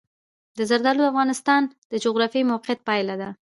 زردالو د افغانستان د جغرافیایي موقیعت پایله ده.